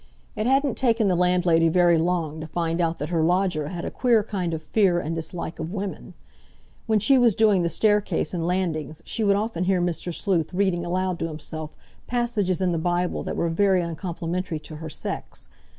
It hadn't taken the landlady very long to find out that her lodger had a queer kind of fear and dislike of women. When she was doing the staircase and landings she would often hear Mr. Sleuth reading aloud to himself passages in the Bible that were very uncomplimentary to her sex.